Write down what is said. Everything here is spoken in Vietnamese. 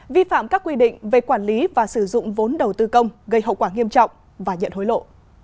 vi phạm các quy định về quản lý và sử dụng vốn đầu tư công gây hậu quả nghiêm trọng và nhận hối lộ